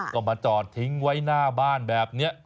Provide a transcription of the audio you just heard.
ก็มาจอดทิ้งไว้หน้าบ้านแบบนี้